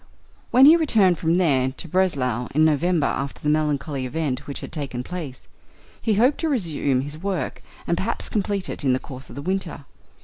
When he returned from there to Breslau in November after the melancholy event which had taken place, he hoped to resume his work and perhaps complete it in the course of the winter.